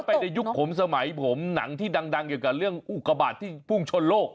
ในยุคผมสมัยผมหนังที่ดังเกี่ยวกับเรื่องอุกบาทที่พุ่งชนโลก